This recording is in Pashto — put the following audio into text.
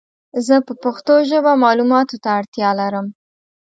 زه په پښتو ژبه مالوماتو ته اړتیا لرم